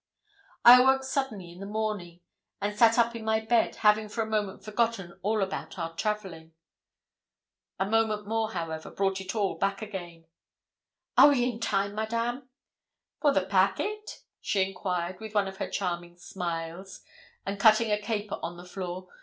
I awoke suddenly in the morning, and sat up in my bed, having for a moment forgotten all about our travelling. A moment more, however, brought all back again. 'Are we in time, Madame?' 'For the packet?' she enquired, with one of her charming smiles, and cutting a caper on the floor.